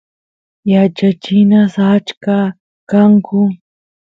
yachachinas achka kanku